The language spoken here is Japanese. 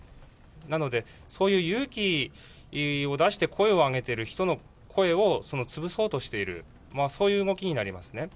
なので、そういう勇気を出して声を上げてる人の声を潰そうとしている、そういう動きになりますね。